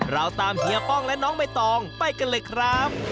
เราตามเฮียป้องและน้องใบตองไปกันเลยครับ